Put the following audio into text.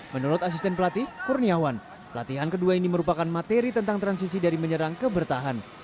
menurut asisten pelatih kurniawan latihan kedua ini merupakan materi tentang transisi dari menyerang ke bertahan